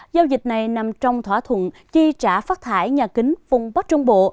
giao dịch này nằm trong thỏa thuận chi trả phát thải nhà kính vùng bắc trung bộ